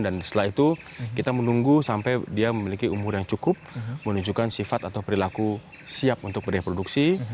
dan setelah itu kita menunggu sampai dia memiliki umur yang cukup menunjukkan sifat atau perilaku siap untuk berdeproduksi